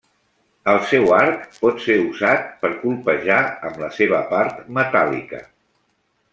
El seu arc pot ser usat per colpejar amb la seva part metàl·lica.